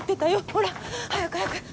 ほら早く早く。